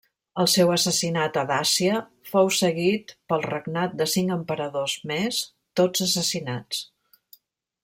El seu assassinat a Dàcia fou seguit pel regnat de cinc emperadors més, tots assassinats.